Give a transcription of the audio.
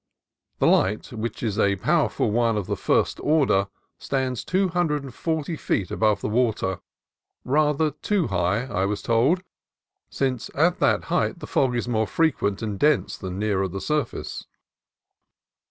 The light, which is a powerful one of the "first order," stands two hundred and forty feet above the water, — rather too high, I was told, since at that height the fog is more frequent and dense than nearer the sur face.